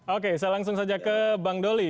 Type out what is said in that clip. oke saya langsung saja ke bang doli